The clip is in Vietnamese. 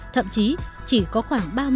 thậm chí chỉ có khoảng ba mươi